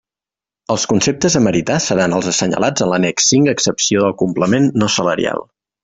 Els conceptes a meritar seran els assenyalats en l'annex V a excepció del complement no salarial.